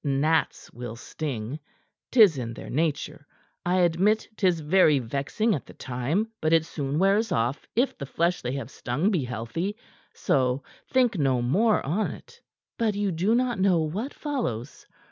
Gnats will sting; 'tis in their nature. I admit 'tis very vexing at the time; but it soon wears off if the flesh they have stung be healthy. So think no more on't." "But you do not know what follows.